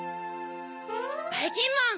ばいきんまん！